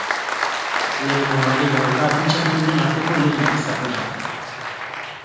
Lehenengo norgehiagoka bi txapeldunen arteko lehia izango da.